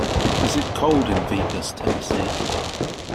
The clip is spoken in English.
is it cold in Vigus Tennessee